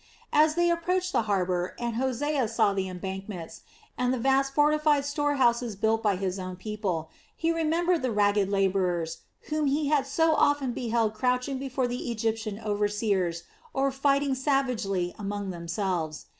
As they approached the harbor and Hosea saw the embankments, and the vast fortified storehouses built by his own people, he remembered the ragged laborers whom he had so often beheld crouching before the Egyptian overseers or fighting savagely among themselves.